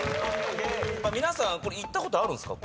皆さん行ったことあるんすか？